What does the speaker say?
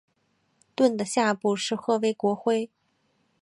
盾的下部是波赫国徽。